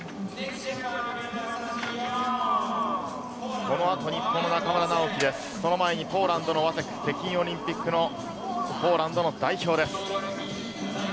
このあと日本の中村直幹、その前にポーランドのワセク、北京オリンピックのポーランド代表です。